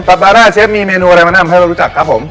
ปาร่าเชฟมีเมนูอะไรมาแนะนำให้เรารู้จักครับผม